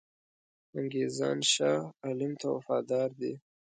انګرېزان شاه عالم ته وفادار دي.